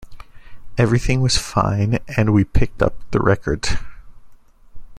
Everything was fine and we picked up the record.